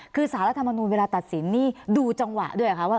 คือสารรัฐมนูลเวลาตัดสินนี่ดูจังหวะด้วยเหรอคะว่า